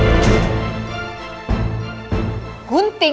pengantin tante iren